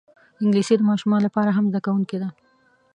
انګلیسي د ماشومانو لپاره هم زده کېدونکی ده